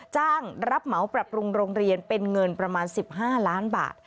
รับเหมาปรับปรุงโรงเรียนเป็นเงินประมาณ๑๕ล้านบาท